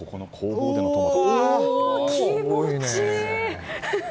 気持ちいい！